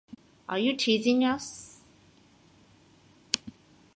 Are you teasing us?